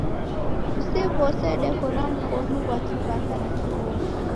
Isi w'ose deko na mkonu ghwa kiw'aka na kiw'omi.